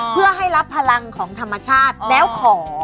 เพื่อให้รับพลังของธรรมชาติแล้วขอ